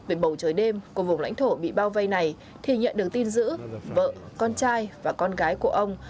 về bầu trời đêm của vùng lãnh thổ bị bao vây này thì nhận được tin giữ vợ con trai và con gái của ông